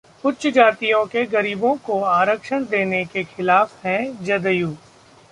उच्च जातियों के गरीबों को आरक्षण देने के खिलाफ है जदयू!